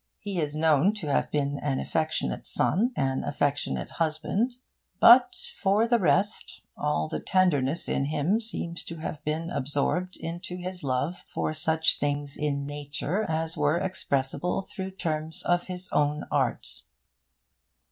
He is known to have been an affectionate son, an affectionate husband; but, for the rest, all the tenderness in him seems to have been absorbed into his love for such things in nature as were expressible through terms of his own art.